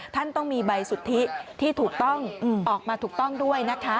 ท่านต้องมีใบสุทธิที่ถูกต้องออกมาถูกต้องด้วยนะคะ